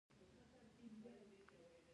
د هېواد مرکز د ځایي اقتصادونو یو بنسټیز عنصر دی.